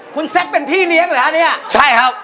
คุณแซคเป็นพี่เลี้ยงเหรอฮะเนี่ยใช่ครับ